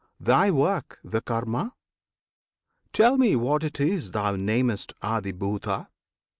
Thy work, the KARMA? Tell me what it is Thou namest ADHIBHUTA?